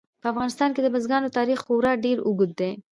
په افغانستان کې د بزګانو تاریخ خورا ډېر اوږد دی.